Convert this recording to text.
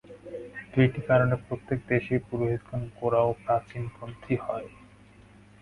দুইটি কারণে প্রত্যেক দেশেই পুরোহিতগণ গোঁড়া ও প্রাচীনপন্থী হয়।